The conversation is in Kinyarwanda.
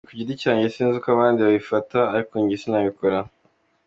Ni ku giti cyanjye sinzi uko abandi babifata ariko njye sinabikora”.